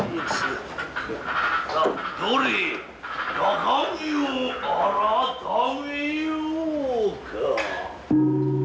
どれ中身をあらためようか。